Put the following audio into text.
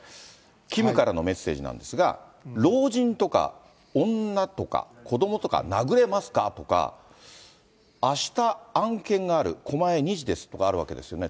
キムからのメッセージなんですが、老人とか、女とか子どもとか、殴れますか？とか、あした案件がある、狛江２時ですとかあるわけですよね。